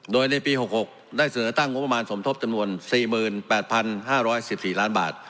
โดยในปี๖๖ได้เสนอตั้งงบประมาณสมทบจำนวน๔๘๕๑๔ล้านบาท